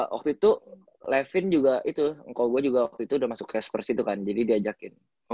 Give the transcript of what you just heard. waktu itu levin juga itu engkau gue juga waktu itu udah masuk ke supers itu kan jadi diajakin